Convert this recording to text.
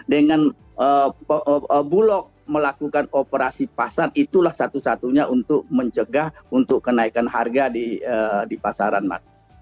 dengan bulog melakukan operasi pasar itulah satu satunya untuk mencegah untuk kenaikan harga di pasaran mas